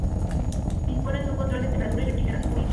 Disponen de un control de temperatura y refrigeración por líquido.